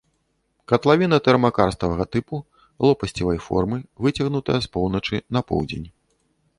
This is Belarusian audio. Катлавіна тэрмакарставага тыпу, лопасцевай формы, выцягнутая з поўначы на поўдзень.